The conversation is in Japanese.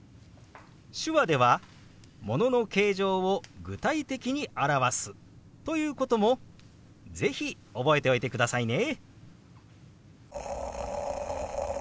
手話では物の形状を具体的に表すということも是非覚えておいてくださいね。